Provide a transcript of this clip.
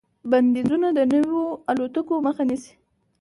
بندیزونه د نویو الوتکو مخه نیسي.